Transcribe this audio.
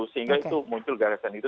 sehingga itu muncul gagasan itu